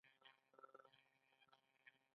ایا لاس نیوی کوئ؟